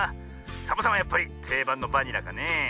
サボさんはやっぱりていばんのバニラかねえ。